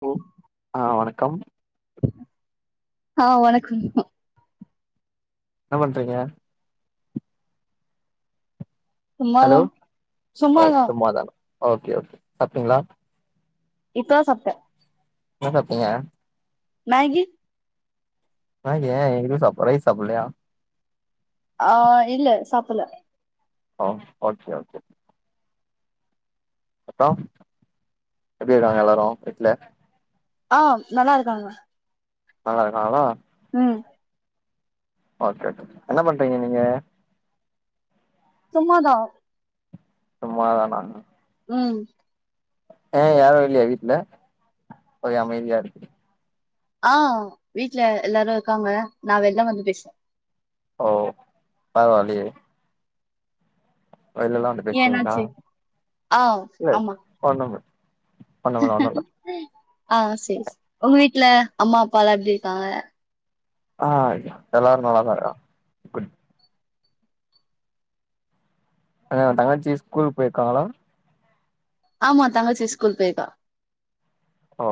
Hello ஆ வணக் கம் ஆ வணக்கம் ஹா என்ன பண்றீங்க? சும்மாதா ஹலோ ஓ சும்மாதா சும்மாதானா ஓகே ஓகே சாப்டீங்களா? இப்பதா சாப்டே என்ன சாப்ட்டீங்க? மேகி மேகி ஏ இது சாப்டல ரைஸ் சாப்பிட்லயா? ஆ இல்ல சாப்பட்ல ஓ ஓகே ஓகே அப்றோ எப்டி இருக்காங்க எல்லாரு வீட்ல? ஆ நல்லா இருக்காங்க. நல்லா இருக்காங்களா ம் ஓகே ஓகே. என்ன பண்றீங்க நீங்க? சும்மாதா சும்மாதானா ம் ஏங்க யாரு இல்லையா வீட்ல ஒரே அமைதியா இருக்குது ஆ வீட்ல எல்லாரு இருக்காங்க நா வெள்ல வந்து பேசுறே ஓ பரவால்லயே வெளிலல்லா வந்து ஏ பேசுவீங்களா என்னாச்சு ஆ இல்ல ஆமா ஒன்னுமில்ல ஆ சேரி சேரி உங்க வீட் ல அம்மா அப்பாலா எப்டி இருக்காங்க? ஆ எல்லாரு நல்லாதா இருக்காங்க குட் எங்க தங்கச்சி ஸ்கூலுக்கு போயிருக்காங்களா? ஆமா தங்கச்சி ஸ்கூல் போயிருக்கா. ஓ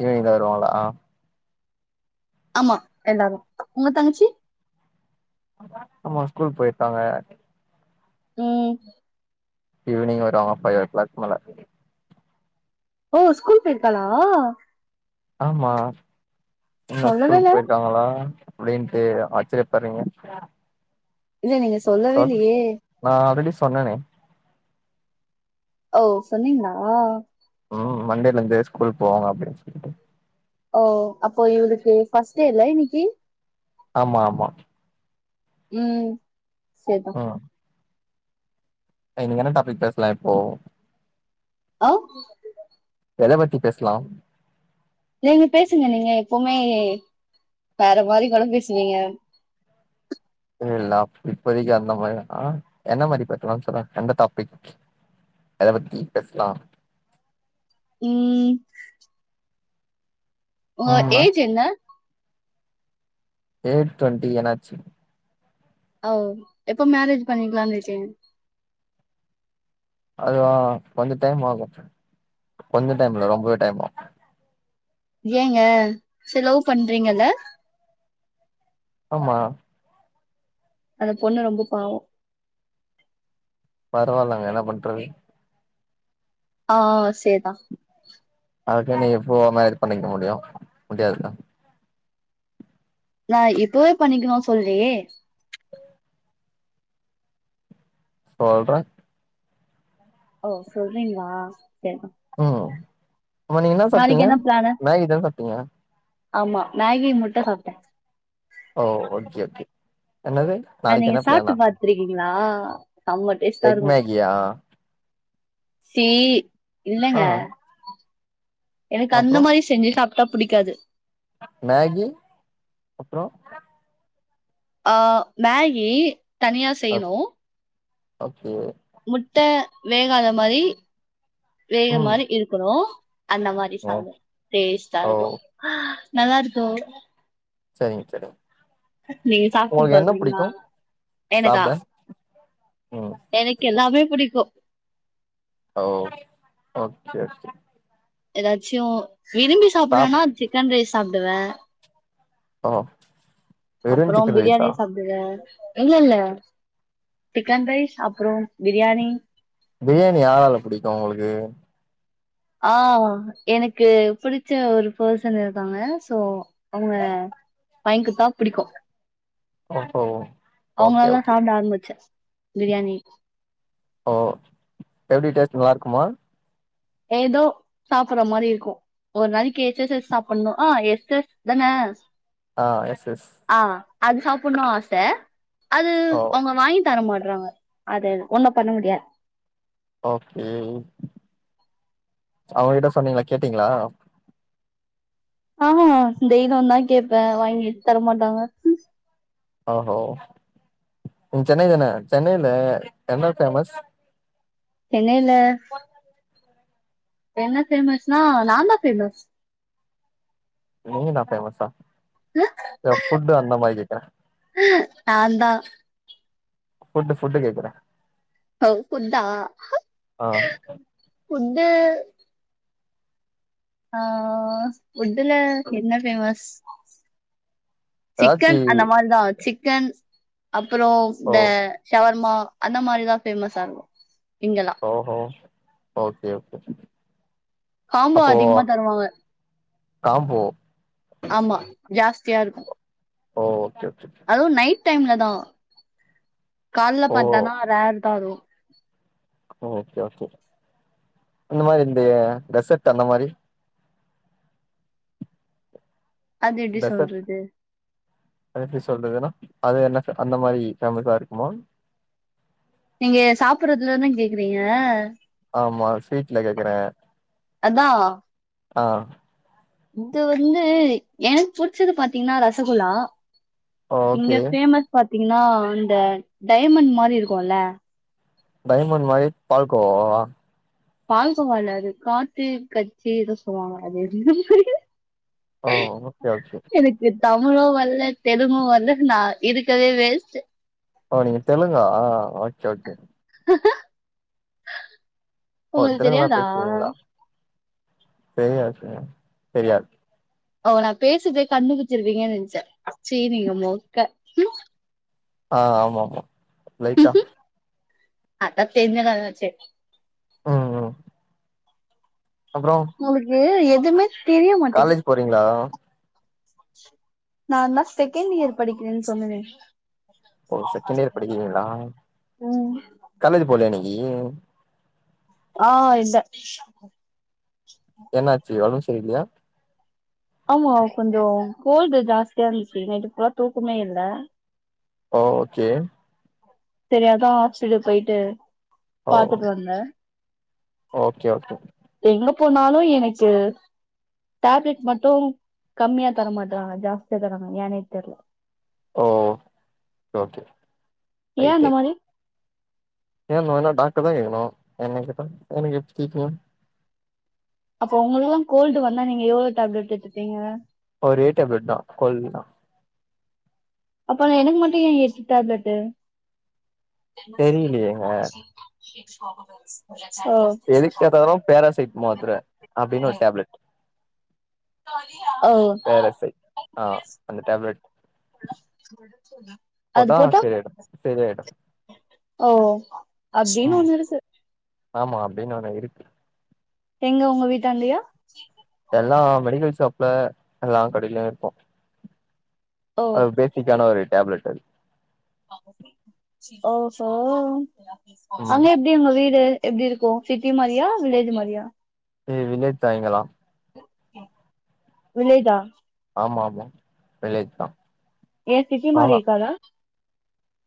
ஈவினிங்தா வருவாங்களா? ஆமா எல்லாரு. உங்க தங்கச்சி? ஆமா ஸ்கூல் போயிருக்காங்க. ம் ஈவினிங் வருவாங்க ஃபைவ் ஓ கிளாக் மேல ஓ ஸ்கூல் போயிருக்காளா? ஆமா என்ன சொல்லவே ஸ்கூல் இல்ல போயிருக்காங்களா அப்பிடின்ட்டு ஆச்சிரியப்பறீங்க இல்ல நீங்க சொல்லவே இல்லயே நா ஆல்ரெடி சொன்னனே ஓ சொன்னீங்களா ம் மண்டேலந்து ஸ்கூல் போவாங்க அப்பிடின் சொல்ட்டு ஓ அப்போ இவுளுக்கு ஃபர்ஸ்ட்டே இல்ல இன்னிக்கு ஆமா ஆமா ம் சரிதா ஆ இன்னிக்கு என்ன டாபிக் பேசலா இப்போ ஆ எதபத்தி பேசலா நீங்க பேசுங்க நீங்க எப்புமே வேற மாரி கூட பேசுவீங்க இல்ல இப்பதிக்கு அந்த மாரி ஆ என்ன மாரி பேசலானு சொல் எந்த டாப்பிக் அத பத்தி பேசலா ம் உங்க ம் ஏஜ் என்ன எய்ட் டொண்டி என்னாச்சி ஓ எப்போ மேரேஜ் பண்ணிக்கலான் இருகிங் அதுவா கொஞ்ச டைம் ஆகு கொஞ்ச டைம் இல்ல ரொம்பவே டைம் ஆகு ஏங்க செ லவ் பண்றீங்கல்ல ஆமா அந்த பொண்ணு ரொம்ப பாவோ பரவாயில்லங்க என்ன பண்றது ஆ சேதா அதுக்க நீ எப்ப மேரேஜ் பண்ணிக்க முடியு முடியாது நா எப்பவே பண்ணிக்கனு சொல்லியே சொல்றே ஓ சொல்றீங்களா சே ஒ அப்ப நீங்க என்ன நாளைக்கு சாப்டீங்க பிளானு மேகிதா சாப் டிய ஆமா மேகி முட்ட சாப்ட்டே ஓ [inaudible] அ நாளைக்கு நீங்க என்ன சாப்பிட்டு பிளானா பாத்துருக்கீங்களா செம்ம டேஸ்டா எக் இருக்கு மேகியா சீ இல்லங்க ஆ எனக்கு அந்த அப்றோ மாரி செஞ்சி சாப் டா புடிக்காது மேகி அப்றோ அ மேகி தனியா ஓ செய்யணு [unintelligible] முட்ட வேகாத மாரி வேக ம் மாரி இருக்கணு அந்த மாரி சா ஓ டேஸ்ட்டா ஓ இருக்கு ஆ நல்லாருக்கு சரிங்க [unintelligible] நீ சாப்ட்டு உங்களுக்கு என்ன பாக்குறீங்களா புடிக்கு எனக்கா சாப்ட ம் எனக்கு எல்லாமே புடிக்கு ஓ ஓகே ஓகே ஏதாச்சு விரும்பி சாப் சாப்ரேனா சிக்கன் ரைஸ் சாப்டுவே ஓ வெறு அப்புறோ சிக்கன் ரைஸா பிரியாணி சாப்டுவே இல்ல இல்ல சிக்கன் ரைஸ் அப்றோ பிரியாணி பிரியாணி யாரால புடிக்கு உங்களுக்கு ஆ எனக்கு புடிச்ச ஒரு பேசன் இருக்காங்க சோ அவங்க [unintelligible] பிடிக்கு ஓஹோ ஓகே அவங்களாலா ஓகே சாப்ட ஆரம்பிச்சே பிரியாணி ஓ எப்டி டேஸ்ட்டு நல்லா இருக்குமா ஏதோ சாப்ற மாரி இருக்கு ஒரு நாளைக்கு எச்ச சைஸ் சாப்புண்ணு ஆ எஸ்ஸஸ் தான ஆ எஸ் எஸ் ஆ அது சாப்புண்ணு ஆச அது ஓ அவங்க வாங்கி தரமாட் ன்ராங்க அது ஒண்ணு பண்ண முடியாது ஓகே அவங்ககிட்ட சொன்னீங்களா கேட்டீங்களா ஆ தெய்ரியுந் தா கேப்பே வாங்கித் தரமாட்டாங்க ஓஹோ சென்னை தானே சென்னைல என்ன ஃபேமஸ் சென்னைல என்ன ஃபேமஸ்னா நா தா ஃபெமஸ் நீனா ஃபேமஸ்ஸா அ ஏ ஃபுட்டு அந்த மாரி கேக்குற நாந்தா ஃபுட்டு ஃபுட்டு கேக்குற அ ஃபுட்டா ஃபுட்டு ஆ ஃபுட்டுல என்ன ஃபேமஸ் ஏதாச்சி சிக்கன் அந்த மார்தா சிக் கன் அப் அப்புறோ ஓ இந்த ஷவர்மா அந்த மாரிதா ஃபேமஸ்சாகு ஓஹோ ஓகே ஓகே காம்போ அப்போ அதிகமா தருவாங்க காம்போ ஆமா ஜாஸ்தியா இருக்கு ஓ ஓகே ஓகே ஹலோ நைட் டைம்லதா கால்ல ஓ பாத்தனா ரேர் பத்தாது ஓகே ஓகே இந்த மாரி இந்த ரெசட் அந்த மாரி அது எப்டி டெசர்ட் சொல்றது அது எப்டி சொல்றதுன்னா அது என்ன அந்த மாரி ஃபேமஸ்ஸா இருக்குமா நீங்க சாப்புடுறதுல்லதான கேக்குறீங்க ஆமா ஸ்வீட்ல கேக்குற அதா ஆ இந்த வந்து எனக்கு புடுச்சுது பாத்தீங்கன்னா ரசகுல்லா இங்க ஓகே ஃபேமஸ் பாத் பாத்தீங்கன்னா இந்த டைமண்ட் மாரி இருக்குல்ல டைமண்ட் மாரி பால்கோவாவா பால்கோவா இல்ல அது காட்டு கச்சி எதோ சொல்வாங்க அது [unintelligible] ஓ ஓகே ஓகே எனக்கு தமிழு வல்ல தெலுங்கு வல்ல நா இருக்கறதே வேஸ்ட்டு ஓ நீங்க தெலுங்கா ஓகே ஓகே ஹ்ஹ உங்களுக்கு தெரியாதா தெரியாது தெரியாது ஓ நா பேசுறதே கண்டுபுடிச்சிருவீங்கனு நெனைச்சே சீ நீங்க மொக்க உ ஆ ஆமா ஆமா லைட்டா அதா தெரிஞ்ச கதயாச்சே உ உ உங்களுக்கு ஏவ் துமே காலேஜ் போறீங்களா நாதா செகண்ட் இயர் படிக்கிறேன்னு சொன்னேனே ஓ செகண்ட் இயர் படிக்கிறீங்களா ம் காலேஜ் போலயா இன்னிக் ஏஉ ஆ இல்ல என்னாச்சி அவுஸ் தெரிலயா ஆமா கொஞ்சோ கோல்டு ஜாஸ்தியா இருந்துச்சு நைட்டு ஃபுல்லா தூக்கமே இல்ல ஓகே செரி‌அதா ஆஸ்பிட்டலுக்கு போயிட்டு ஓ பாத்துட்டு வந்தே ஓகே ஓகே ப்போனாலு எனக்கு டேப்லெட் மட்டு கம்மியா தர மாட்டறாங்க ஜாஸ்தியா தராங்க ஏனே தெரில ஓ ஓகே ஏ அந்த மாரி ஏ ங்கனனா டாக்ட்டரதா கேக்கணு என்ன கேட்டா எனக்கு எப்டி தெரியு அப்ப உங்களுக்குலா கோல்டு வந்தா நீங்க எவ்ளோ டேப்லெட் எடுத்துபீங்க ஒரே டேப்லெட் தா கொல்டுக்தா அப்பனா எனக்கு மட்டு ஏ எ சி டேப்லெட்டு தெரிலையேங்க [inaudible] [inaudible] எதுக்கெட்தாலு பராசிட் மாத்ர அப்டின்னு ஒரு டேப்லட் ஓ பேராசிட் ஆ அந்த டேப்லட் போட்டா சரியாயிடு சேரியாயிடு ஓ அப்பிடின் ஒண்ணு இருக்கு ஆமா அப்பிடின் ஒன்னு இருக்கு எங்க உங்க வீட்டான்டையா எல்லா மெடிக்கல் ஷாப்ல எல்லா கடையிலியு இருக்கு ஓ அது ஃபேசிக்கான ஒரு டேப்லெட் ஓ ஓஹோ ம் அங்க எப்பிடி உங்க வீடு எப்பிடிருக்கு சிட்டி மாரியா வில்லேஜ் மாரியா எ வில்லேஜ்தா இங்கெல்லா வில்லேஜா ஆமா ஆமா வில்லேஜ்தா ஏ சிட்டி மாரி இருக்காதா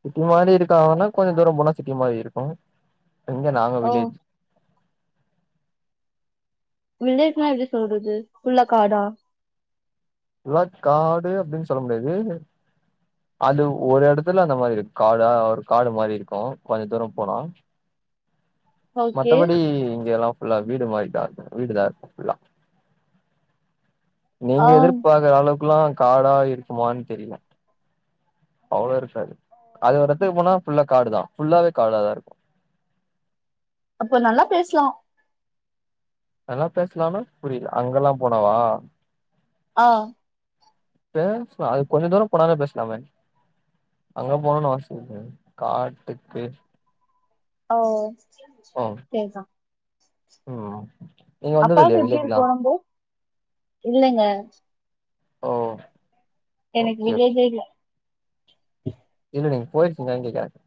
சிட்டி மாரி இருக்கா ஆனா கொஞ்சோ தூரம் போனா சிட்டி மாரி இருக்கு இங்க நாங்க ஓ வில்லேஜ் வில்லேஜ்னா எப்பிடி சொல்றது ஃபுல்லா காடா ஃபுல்லா காடு அப்பிடின் சொல்ல முடியாது அது ஒரு எடத்துல அந்த மாரி இரு காடா ஒரு காடு மாரியிருக்கு கொஞ்ச தூரோ போனா ஓகே மத்தபடி இங்கெல்லா ஃபுல்லா வீடு மாரிதாருக்கு வீடுதா இருக்கு ஃபுல்லா ஆ நீங்க எதிர்பாக்கர அளவுக் க்ல்லா காடா இருக்குமான் தெரில அவ்ளோ இருக்காது அது ஒரதுக்கு போனா ஃபுல்லா காடுதா ஃபுல்லாவே காடாதாருக்கு அப்ப நல்லா பேஸ்லா நல்லா பேசலானா புரில அங்கெல்லா போனாவா ஆ ட்ட சோ அது கொஞ்சோ தூரம் போனாலே பேசுலாமே அங்க போனுன் அவசியங்கெடையா காட்டுக்கு ஓ ஓ பேசா ம் நீங்க வந்தது அப்பாக்கு இல்லையா எப்பிடி வில்லேஜ்லா இருக்கு ஒடம்பு இல்லங்க ஓ எனக்கு ஓகே ஓகே விலேஜேக்ல்ல [unintelligible] இல்ல நீங்க போய் இருக்கீங்களான்னு கேக்குறே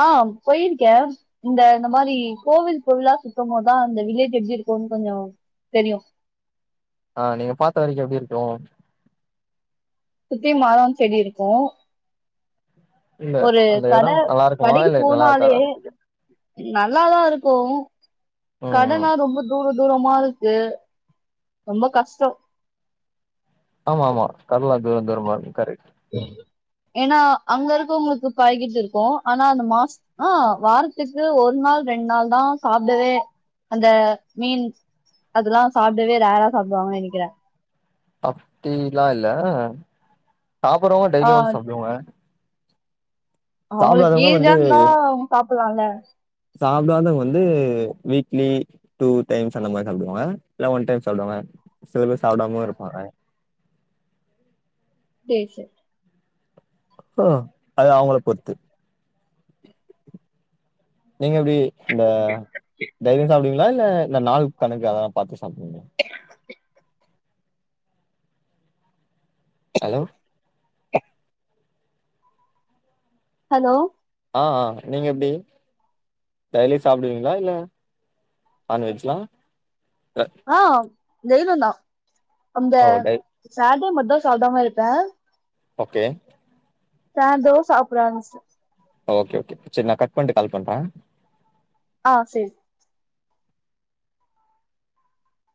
அ போயிருக்கே இந்த இந்த மாரி கோவில் கோவில சுத்த போதா அந்த வில்லேஜ் எப்படி இருக்குனு கொஞ்ச தெரியு அ நீங்க பாத்த வரைக்கு எப்டி இருக்கு சுத்தி மரோ செடி இருக்கு இல்ல ஒரு அந்த கட எடோ நல்லா இருக்குமா கடக்கி இல்ல நல்லா போனாலே இருக்காதான்னு கேக்குறே ந நல்லாத இருக்கு ம் ம் கடனா ரொம்ப தூர துரமா இருக்கு ரொம்ப கஷ்டொ ஆமா ஆமா கட்லா தூர தூரமா இருக் கரெக்ட் என்னா அங்க இருக்காங்களுக்கு பழகிட்டு இருக்கு அனா அந்த மாச் அ வாரத்துக்கு ஒரு நாள் ரெண் நாள் தா சாப்டவே அந்த மீன் அதுல்லா சாப்டவே ரேரா சாப்டுவாங்கு நினக்கிறே அப்டிலா இல்ல சாப்பரங்க ஆ டெய்லி வந்து சாப்டுவங்க அவளுக் வந்து ஈஸியா இருந்த அவங்க சாப் [unintelligible] சாப்பிடாதவங் வந்து வீக்லி டூ டைம்ஸ் அந்த மாரி சாப்டுவாங்க இல்ல ஒன் டைம் சாப்டுவாங்க சில பேர் சாப்படாமயு இருப்பங்க சேர் சேர் அ அது அவங்கள பொறுத்து நீங்க இப்படி இந்த தைலி சாப்பிடீங்களா இல்ல இந்த நாள் கணக்கு அதெல்லா பாத்து சாப்டுவிங் [unintelligible] ஹலோ ஹலோ அ அ நீங்க எப்டி டெய்லி சாப்டுவீஙகளா இல்ல நான்வெஜ்லா ஆ டெய்லியுதா அந்த ஓ டெய் சாட்ர்டே மட் து சாப்டம இருப்பே ஒகே தா அதுவும் சாப்ட ஆரம்ச்சிட்டே ஒகே ஒகே சேர் நா கட் பண்ட்டு கால் பண்றே ஆ சேர்